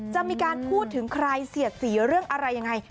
จะมีการพูดถึงใครเสียดสีเรื่องอะไรยังไง